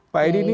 pak edi ini